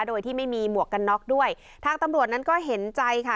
โดยที่ไม่มีหมวกกันน็อกด้วยทางตำรวจนั้นก็เห็นใจค่ะ